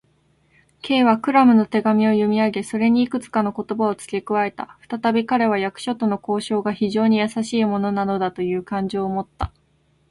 Ｋ はクラムの手紙を読みあげ、それにいくつかの言葉をつけ加えた。ふたたび彼は、役所との交渉が非常にやさしいものなのだという感情をもった。